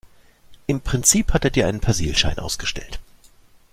Im Prinzip hat er dir einen Persilschein ausgestellt.